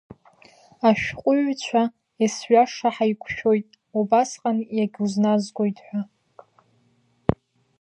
Ашәҟәыҩҩцәа есҩаша ҳаиқәшәоит, убасҟан иагьузназгоит ҳәа.